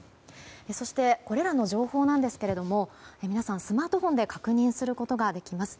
そして、これらの情報ですが皆さんスマートフォンで確認することができます。